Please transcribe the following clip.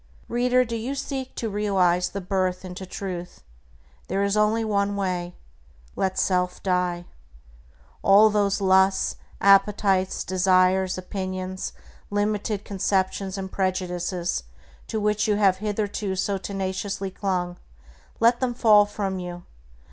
Reader, do you seek to realize the birth into Truth? There is only one way: Let self die. All those lusts, appetites, desires, opinions, limited conceptions and prejudices to which you have hitherto so tenaciously clung, let them fall from you.